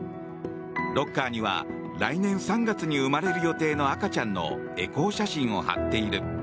ロッカーには来年３月に生まれる予定の赤ちゃんのエコー写真を貼っている。